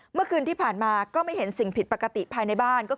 เมื่อคืนที่ผ่านมาก็ไม่เห็นสิ่งผิดปกติภายในบ้านก็คือ